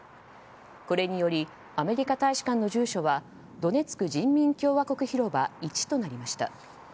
これによりアメリカ大使館の住所はドネツク人民共和国広場１となりました。